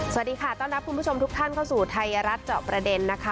สวัสดีค่ะต้อนรับคุณผู้ชมทุกท่านเข้าสู่ไทยรัฐเจาะประเด็นนะคะ